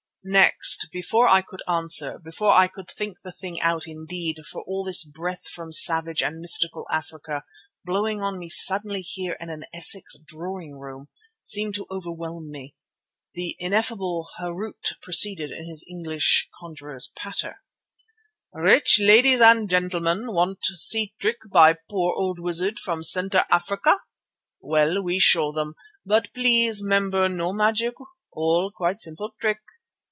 Next, before I could answer, before I could think the thing out indeed, for all this breath from savage and mystical Africa blowing on me suddenly here in an Essex drawing room, seemed to overwhelm me, the ineffable Harût proceeded in his English conjurer's patter: "Rich ladies and gentlemen want see trick by poor old wizard from centre Africa. Well, we show them, but please 'member no magic, all quite simple trick.